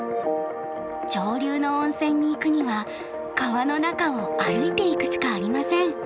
上流の温泉に行くには川の中を歩いていくしかありません。